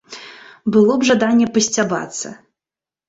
Было б жаданне пасцябацца.